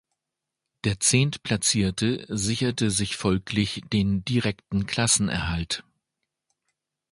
Der Zehntplatzierte sicherte sich folglich den direkten Klassenerhalt.